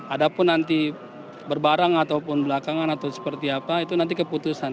ada pun nanti berbarang ataupun belakangan atau seperti apa itu nanti keputusan